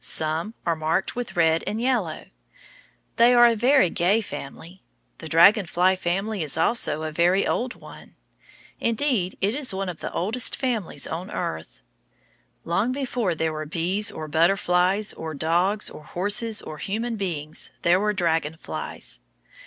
Some are marked with red and yellow. They are a very gay family. The dragon fly family is also a very old one. Indeed, it is one of the oldest families on earth. Long before there were bees or butterflies or dogs or horses or human beings, there were dragon flies.